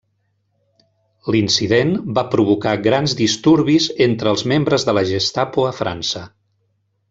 L'incident va provocar grans disturbis entre els membres de la Gestapo a França.